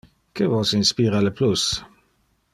Que vos inspira le plus?